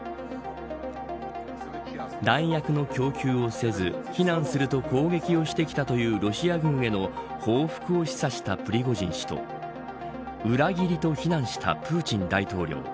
弾薬の供給をせず非難すると攻撃をしてきたというロシア軍への報復を示唆したプリゴジン氏と裏切りと非難したプーチン大統領。